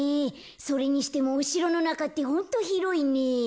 それにしてもおしろのなかってホントひろいね。